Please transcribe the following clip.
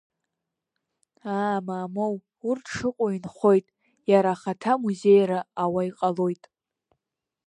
Аа, мамоу, урҭ шыҟоу инхоит, иара ахаҭа музеира ауа иҟалоит…